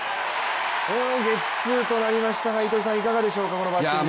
ゲッツーとなりましたがいかがでしょうか、このバッティング。